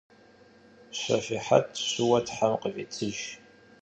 Şşefihet şşuue them khıvitıjj.